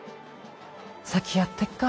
先やってっか。